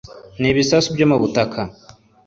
N ibisasu byo mu butaka